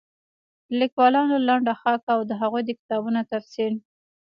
د ليکوالانو لنډه خاکه او د هغوی د کتابونو تفصيل